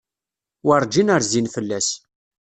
Werǧin rzin fell-as.